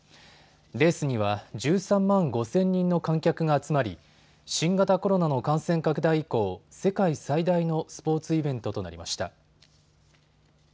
レースには１３万５０００人の観客が集まり新型コロナの感染拡大以降、世界最大のスポーツイベントとなりました。